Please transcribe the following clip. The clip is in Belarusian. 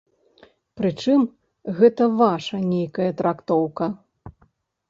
Прычым, гэта ваша нейкая трактоўка.